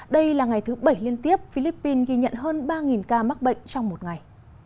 đây là ngày thứ bảy liên tiếp philippines ghi nhận hơn ba ca mắc bệnh trong một ngày